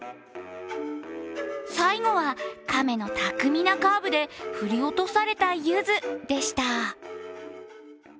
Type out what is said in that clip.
最後は、亀の巧みなカーブで振り落とされたユズでした。